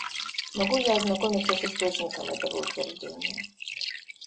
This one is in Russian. Могу я ознакомиться с источником этого утверждения?